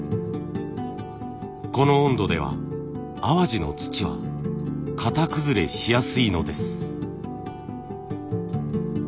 この温度では淡路の土は型崩れしやすいのです。